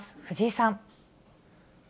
藤井さん。